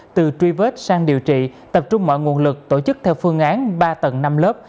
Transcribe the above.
từ truy vết sang điều trị tập trung mọi nguồn lực tổ chức theo phương án ba tầng năm lớp